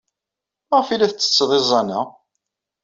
Maɣef ay la tettetted iẓẓan-a?